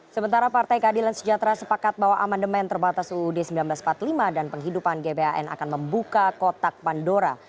sementara partai keadilan sejahtera sepakat bahwa amandemen terbatas uud seribu sembilan ratus empat puluh lima dan penghidupan gbhn akan membuka kotak pandora